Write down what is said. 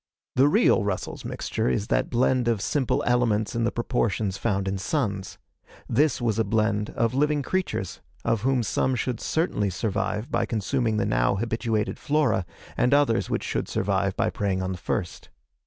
The real Russell's Mixture is that blend of simple elements in the proportions found in suns. This was a blend of living creatures, of whom some should certainly survive by consuming the now habituated flora, and others which should survive by preying on the first.